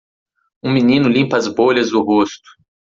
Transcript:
um menino limpa as bolhas do rosto.